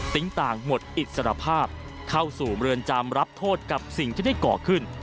ต่างหมดอิสรภาพเข้าสู่เมืองจำรับโทษกับสิ่งที่ได้ก่อขึ้น